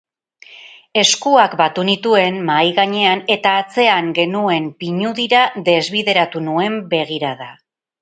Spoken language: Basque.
Eskuak batu nituen mahai gainean eta atzean genuen pinudira desbideratu nuen begirada.